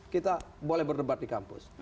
kita boleh berdebat di kampus